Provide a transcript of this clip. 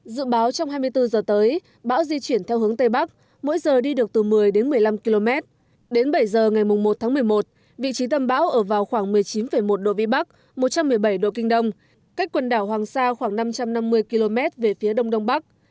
dự báo trong hai mươi bốn giờ tới bão di chuyển theo hướng tây bắc mỗi giờ đi được từ một mươi đến một mươi năm km đến bảy giờ ngày một tháng một mươi một vị trí tâm bão ở vào khoảng một mươi chín một độ vĩ bắc một trăm một mươi bảy độ kinh đông cách quần đảo hoàng sa khoảng năm trăm năm mươi km về phía đông đông bắc